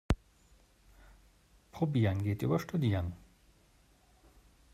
Probieren geht über studieren.